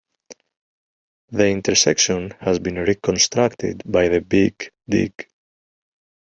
The intersection has been reconstructed by the Big Dig.